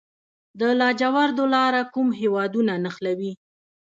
د لاجوردو لاره کوم هیوادونه نښلوي؟